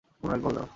পুনরায় কল দাও।